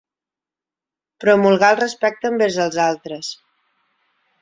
Promulgar el respecte envers els altres.